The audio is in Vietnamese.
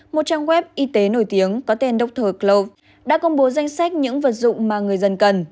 một trang web y tế nổi tiếng có tên dokto cloud đã công bố danh sách những vật dụng mà người dân cần